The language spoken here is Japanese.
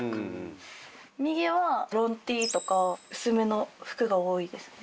右はロンＴとか薄めの服が多いですね。